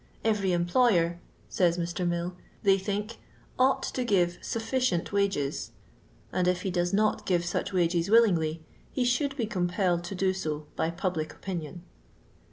" Every employer," says Mr. Mill, "they think, ov^ht to give t^fficient wagti" and if he does not give such wages willingly, , he should be compelled to do so by public opinion.